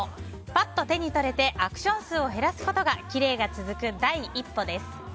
パッと手に取れてアクション数を減らすことがきれいが続く第一歩です。